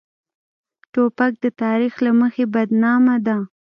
توپک د تاریخ له مخې بدنامه ده.